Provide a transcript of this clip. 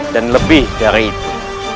dan lebih dari itu